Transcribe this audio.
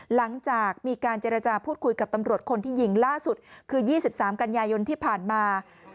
หลังจากมีการเจรจาพูดคุยกับตำรวจคนที่ยิงล่าสุดคือ๒๓กันยายนที่ผ่านมา